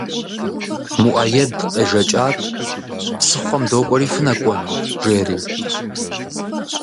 Муаед къежэкӏат «Псыхъуэм докӏуэри, фынэкӏуэну?» жери.